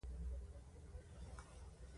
مطالعه او علم د انسان فکر او شعور لوړوي.